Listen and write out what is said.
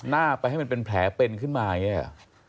หน้าไปให้มันเป็นแผลเป็นขึ้นมาอย่างนี้หรอ